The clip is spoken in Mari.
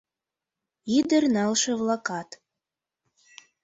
Ӱдыр налше-влакат.